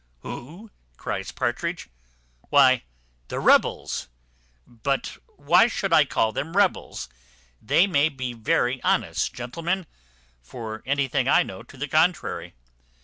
"Who?" cries Partridge, "why, the rebels: but why should I call them rebels? they may be very honest gentlemen, for anything I know to the contrary.